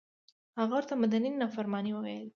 هغه ورته مدني نافرماني وویله.